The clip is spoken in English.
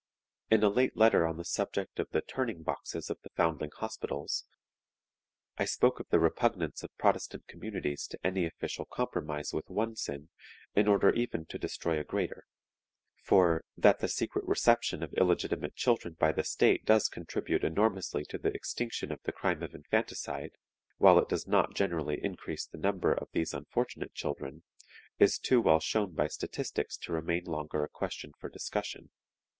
"In a late letter on the subject of the 'turning boxes' of the Foundling Hospitals I spoke of the repugnance of Protestant communities to any official compromise with one sin in order even to destroy a greater; for, that the secret reception of illegitimate children by the state does contribute enormously to the extinction of the crime of infanticide, while it does not generally increase the number of these unfortunate children, is too well shown by statistics to remain longer a question for discussion.